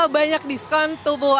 banyak diskon tubuh